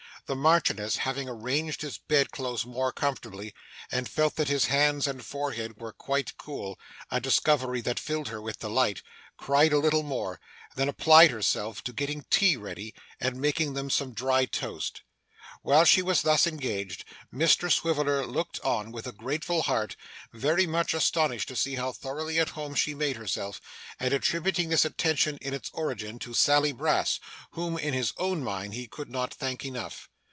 The Marchioness, having arranged the bed clothes more comfortably, and felt that his hands and forehead were quite cool a discovery that filled her with delight cried a little more, and then applied herself to getting tea ready, and making some thin dry toast. While she was thus engaged, Mr Swiveller looked on with a grateful heart, very much astonished to see how thoroughly at home she made herself, and attributing this attention, in its origin, to Sally Brass, whom, in his own mind, he could not thank enough.